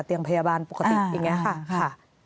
พยาบาลปกติอย่างนี้ค่ะ